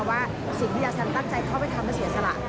ว่าสิ่งที่จ๋าแซมตั้งใจเข้าไปทำเป็นเสียสละ